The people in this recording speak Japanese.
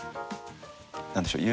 何でしょう